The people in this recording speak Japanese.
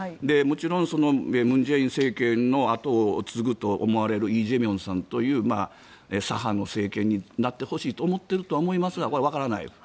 もちろん、文在寅政権の後を継ぐと思われるイ・ジェミョンさんという左派の政権になってほしいと思っているとは思いますがわからない。